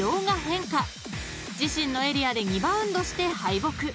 ［自身のエリアで２バウンドして敗北］